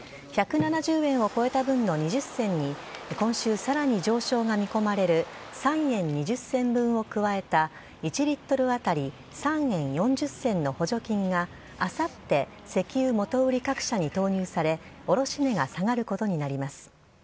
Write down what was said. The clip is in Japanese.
１７０円を超えた分の２０銭に今週さらに上昇が見込まれる３円２０銭分を加えた１リットル当たり３円４０銭の補助金が、あさって、石油元売り各社に投入され、卸値が下がることになります。